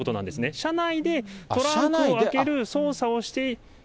車内でトランクを開ける操作をして。